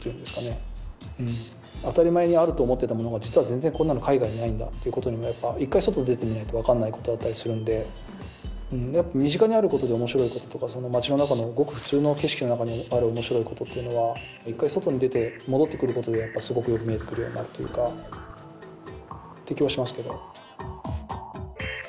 当たり前にあると思ってたものが実は全然こんなの海外にないんだということにも一回外に出てみないと分かんないことだったりするんで身近にあることで面白いこととか街の中のごく普通の景色の中にある面白いことっていうのは一回外に出て戻ってくることですごくよく見えてくるようになるというかって気はしますけど。